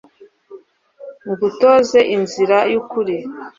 ngutoza inzira y'ukuri